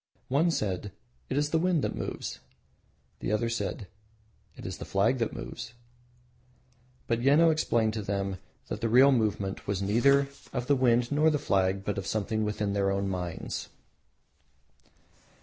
One said "It is the wind that moves," the other said "It is the flag that moves"; but Yeno explained to them that the real movement was neither of the wind nor the flag, but of something within their own minds.